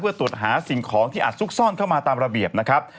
เพื่อตรวจหาสิ่งของที่อาจซุกซ่อนเข้ามาตามระเบียบนะครับ